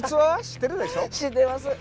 知ってます。